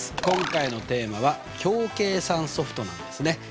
今回のテーマは「表計算ソフト」なんですね。